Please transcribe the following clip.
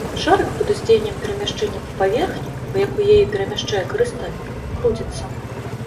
Шарык пад уздзеяннем перамяшчэння па паверхні, па якой яе перамяшчае карыстальнік, круціцца.